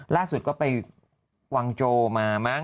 ล่าสุดก็ไปวังโจมามั้ง